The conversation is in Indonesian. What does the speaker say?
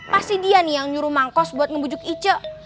pasti dia nih yang nyuruh mangkos buat ngebujuk ice